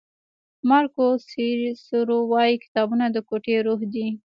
مارکوس سیسرو وایي کتابونه د کوټې روح دی.